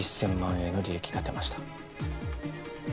円の利益が出ました。